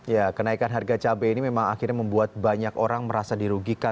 ya kenaikan harga cabai ini memang akhirnya membuat banyak orang merasa dirugikan